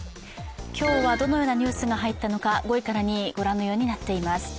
今日はどのようなニュースが入ったのか、５位から２位ご覧のようになっています。